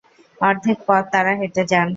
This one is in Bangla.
অর্ধেক পথ তারা হেঁটে যান।